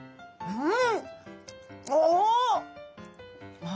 うん！